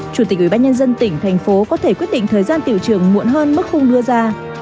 chủ tịch ubnd tỉnh thành phố có thể quyết định thời gian tiểu trường muộn hơn mức khung đưa ra